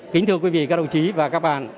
kính thưa quý vị các đồng chí và các bạn